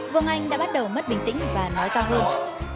vương anh đã bắt đầu mất bình tĩnh và nói to hơn